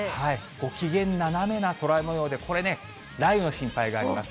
ごきげん斜めな空もようで、これね、雷雨の心配があります。